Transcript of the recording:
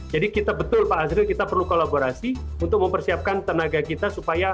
kita betul pak azril kita perlu kolaborasi untuk mempersiapkan tenaga kita supaya